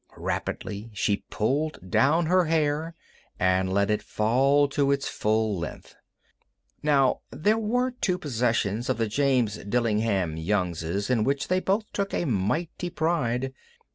Rapidly she pulled down her hair and let it fall to its full length. Now, there were two possessions of the James Dillingham Youngs in which they both took a mighty pride.